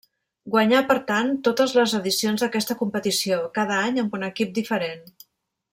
Guanyà per tant totes les edicions d'aquesta competició, cada any amb un equip diferent.